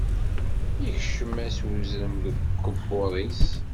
Ikcem-as uzrem deg ukebbuḍ-is.